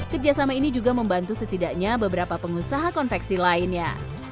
kerjasama ini juga membantu setidaknya beberapa pengusaha konveksi lainnya